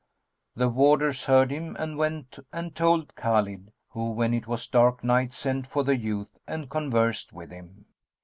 '" The warders heard him and went and told Khбlid who, when it was dark night, sent for the youth and conversed with him.